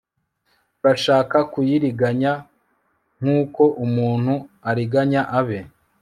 murashaka kuyiriganya nk uko umuntu ariganya abe